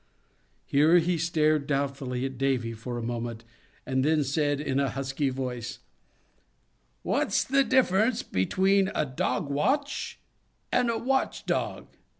Here he stared doubtfully at Davy for a moment, and then said, in a husky voice: "What's the difference between a dog watch and a watch dog?